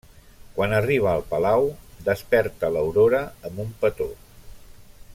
Quan arriba al palau, desperta l'Aurora amb un petó.